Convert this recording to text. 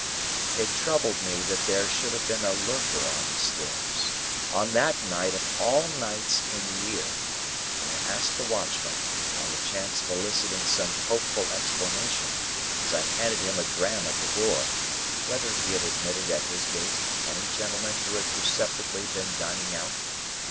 It troubled me that there should have been a lurker on the stairs, on that night of all nights in the year, and I asked the watchman, on the chance of eliciting some hopeful explanation as I handed him a dram at the door, whether he had admitted at his gate any gentleman who had perceptibly been dining out?